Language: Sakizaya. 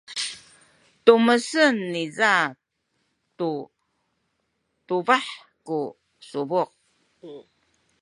tumesan niza tu tubah ku subuk.